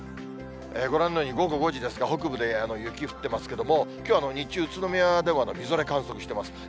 ご覧のように午後５時ですが、北部で雪降ってますけれども、きょうは日中、宇都宮ではみぞれ観測してます。